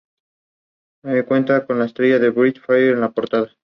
Cuenta con la estrella Brett Favre en la portada.